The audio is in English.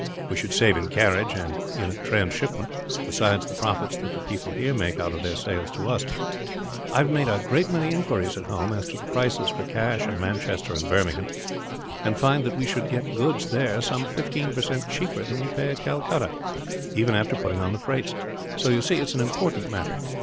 We should save in carriage and in trans shipment, besides the profits that the people here make out of their sales to us. I have made a great many inquiries, at home, as to the prices for cash in Manchester and Birmingham; and find that we should get goods there some fifteen percent cheaper than we pay at Calcutta, even after putting on the freights. So you see, it is an important matter.